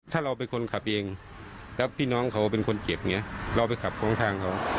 ถ้าเราเป็นคนขับเองแล้วก็พี่น้องเป็นเพื่อนผู้เจ็บแล้วเข้าไปขับทางเขา